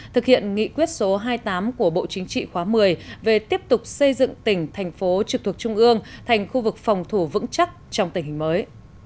thực hiện nghị quyết số hai mươi tám của bộ chính trị khóa một mươi về tiếp tục xây dựng tỉnh thành phố trực thuộc trung ương thành khu vực phòng thủ vững chắc trong tình hình mới